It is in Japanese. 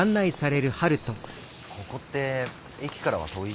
ここって駅からは遠い？